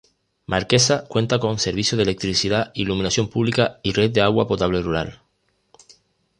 Marquesa cuenta con servicio de electricidad, iluminación publica y red de agua potable rural.